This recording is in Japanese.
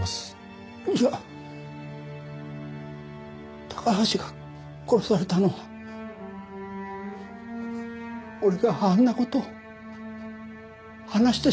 じゃあ高橋が殺されたのは俺があんな事を話してしまったからなのか？